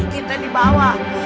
kita di bawah